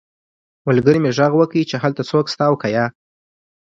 ملګري مې غږ وکړ چې هلته څوک شته او که نه